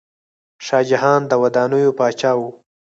شاه جهان د ودانیو پاچا و.